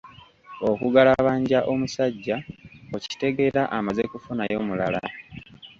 Okugalabanja omusajja okitegeera amaze kufunayo mulala.